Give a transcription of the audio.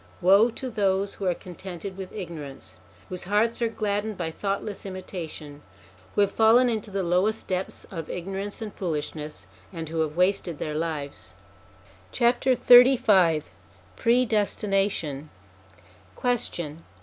Woe to those who are contented with ignorance, whose hearts are gladdened by thoughtless imitation, who have fallen into the lowest depths of ignorance and foolishness, and who have wasted their lives ! XXXV PREDESTINATION Question.